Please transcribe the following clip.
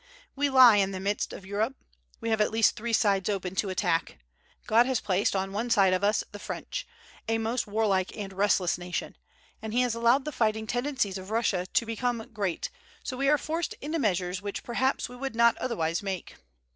We lie in the midst of Europe. We have at least three sides open to attack. God has placed on one side of us the French, a most warlike and restless nation, and he has allowed the fighting tendencies of Russia to become great; so we are forced into measures which perhaps we would not otherwise make.